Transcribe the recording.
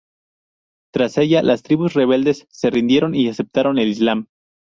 Tras ella, las tribus rebeldes se rindieron y aceptaron el Islam.